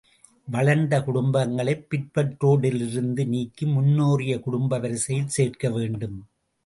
வளர்ந்த குடும்பங்களைப் பிற்பட்டோரிலிருந்து நீக்கி முன்னேறிய குடும்ப வரிசையில் சேர்க்க வேண்டும்.